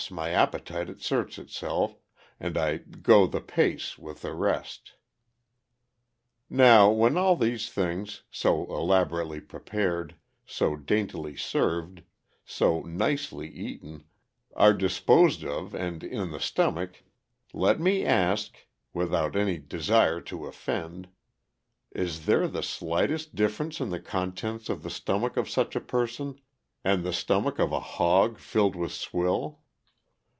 my appetite asserts itself, and I "go the pace" with the rest. Now, when all these things, so elaborately prepared, so daintily served, so "nicely" eaten, are disposed of and in the stomach, let me ask (without any desire to offend): Is there the slightest difference in the contents of the stomach of such a person and the stomach of a hog filled with swill?